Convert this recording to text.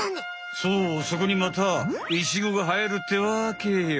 そうそこにまたイチゴがはえるってわけよ。